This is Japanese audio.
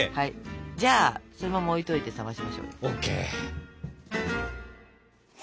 じゃあそのまま置いといて冷ましましょう。